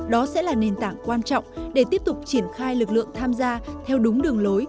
đó sẽ là nền tảng quan trọng để tiếp tục triển khai lực lượng tham gia theo đúng đường lối